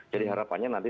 jadi harapannya nanti